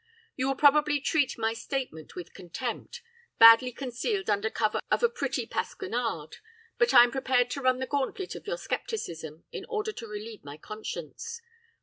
"'You will probably treat my statement with contempt, badly concealed under cover of a pretty pasquinade, but I am prepared to run the gauntlet of your scepticism in order to relieve my conscience.